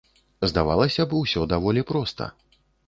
Здавалася б, усё даволі проста.